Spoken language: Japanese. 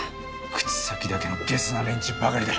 口先だけのゲスな連中ばかりだ。